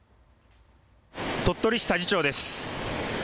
鳥取市佐治町です。